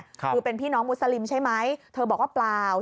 คือเป็นพี่น้องมุสลิมใช่ไหมเธอบอกว่าเปล่า